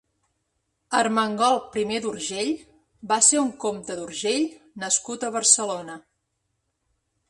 Ermengol primer d'Urgell va ser un comte d'Urgell nascut a Barcelona.